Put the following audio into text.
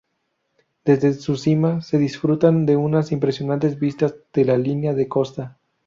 Desde su cima, se disfrutan de unas impresionantes vistas de la línea de costa.